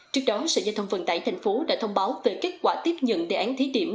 trước đó sở giao thông vận tải tp hcm đã thông báo về kết quả tiếp nhận đề án thí điểm